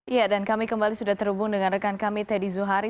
ya dan kami kembali sudah terhubung dengan rekan kami teddy zuhari